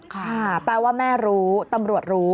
ค่ะแปลว่าแม่รู้ตำรวจรู้